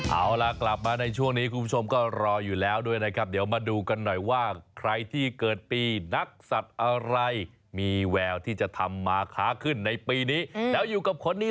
เอาล่ะกลับมาในช่วงนี้คุณผู้ชมก็รออยู่แล้วด้วยนะครับเดี๋ยวมาดูกันหน่อยว่าใครที่เกิดปีนักสัตว์อะไรมีแววที่จะทำมาค้าขึ้นในปีนี้แล้วอยู่กับคนนี้